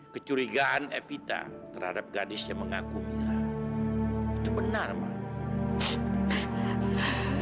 kecurigaan evita terhadap gadis yang mengaku mira itu benar mbak